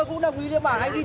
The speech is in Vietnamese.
tôi cũng đồng ý với bản anh it